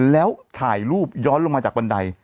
แล้วถ่ายรูปย้อนลงมาจากบันได